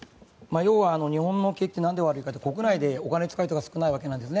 要は日本の景気って何で悪いかというと国内でお金を使う人が少ないわけです。